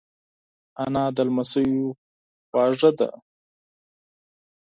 انا د لمسیو خواږه ده